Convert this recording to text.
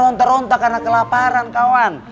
ronta ronta karena kelaparan kawan